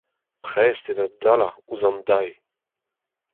Prest eo da dalañ ouzh an dae.